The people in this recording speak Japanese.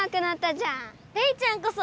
レイちゃんこそ。